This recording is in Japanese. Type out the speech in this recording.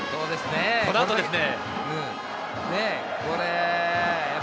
このあとですね。